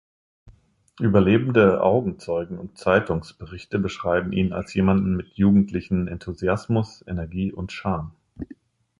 Überlebende Augenzeugen und Zeitungsberichte beschreiben ihn als jemanden mit jugendlichen Enthusiasmus, Energie und Charme.